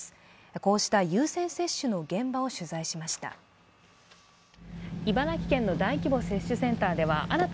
こうした優先接種の現場を取材しました。